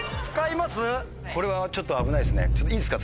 これはちょっと危ないですねいいですか？